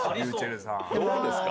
どうですか？